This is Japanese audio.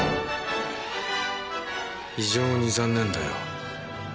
非常に残念だよ。